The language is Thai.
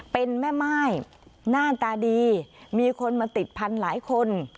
เป็นแม่ม่ายหน้าตาดีมีคนมาติดพันธุ์หลายคน